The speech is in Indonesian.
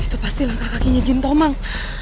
itu pasti langkah kakinya jin tomang